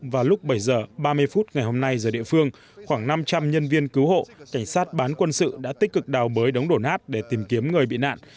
vào lúc bảy h ba mươi phút ngày hôm nay giờ địa phương khoảng năm trăm linh nhân viên cứu hộ cảnh sát bán quân sự đã tích cực đào bới đống đổ nát để tìm kiếm người bị nạn